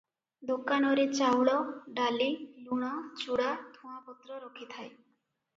ଦୋକାନରେ ଚାଉଳ, ଡାଲି, ଲୁଣ, ଚୁଡ଼ା, ଧୂଆଁପତ୍ର ରଖିଥାଏ ।